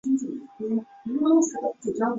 七叶树亚科为无患子科下之一亚科。